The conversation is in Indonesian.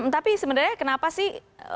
tapi sebenarnya kenapa sih